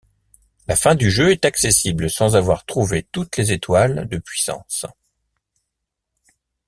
La fin du jeu est accessible sans avoir trouvé toutes les étoiles de puissance.